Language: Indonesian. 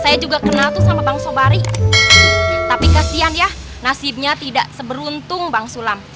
saya juga kenal tuh sama bang sobari tapi kasian ya nasibnya tidak seberuntung bang sulam